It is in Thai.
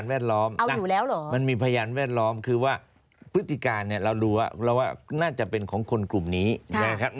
ก็ใส่เพื่อเท่เฉยงไม่ได้กอ